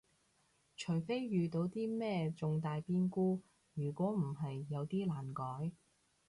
除非遇到啲咩重大變故，如果唔係有啲難改